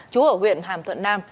trú ở huyện hàm thuận nam